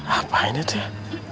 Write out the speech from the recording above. apa ini tuh